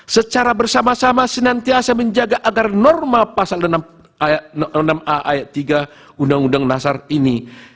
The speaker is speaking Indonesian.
secara bersama sama senantiasa menjaga agar norma pasal enam a ayat tiga undang undang dasar ini